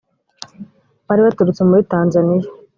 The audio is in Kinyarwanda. bari baraturutse muri tanzaniya